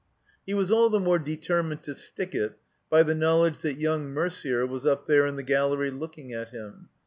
He was all the more determined to stick it by the knowledge that young Merder was up there in the gallery looking at him.